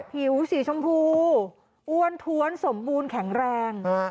ผิวสีชมพูอ้วนท้วนสมบูรณ์แข็งแรง